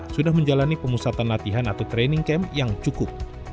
sudah menjalani pemusatan latihan atau training camp yang cukup